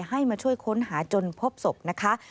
ให้มาช่วยค้นหาจนพบศพนะคะ